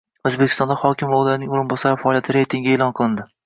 O‘zbekistonda hokim va ularning o‘rinbosarlari faoliyati reytingi e’lon qilindi